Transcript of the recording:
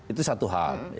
itu satu hal